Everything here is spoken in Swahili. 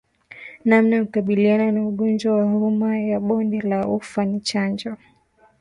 Namna ya kukabiliana na ugonjwa wa homa ya bonde la ufa ni chanjo